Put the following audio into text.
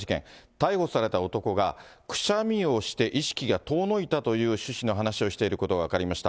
逮捕された男が、くしゃみをして意識が遠のいたという趣旨の話をしていることが分かりました。